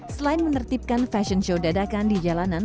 selain menertibkan fashion show dadakan di jalanan